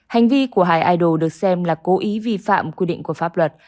hành vi của hai idol được xem là cố ý vi phạm quy định của pháp luật